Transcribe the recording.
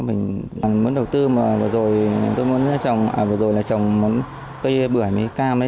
mới đầu tư mà vừa rồi tôi muốn trồng vừa rồi là trồng cây bưởi cam đấy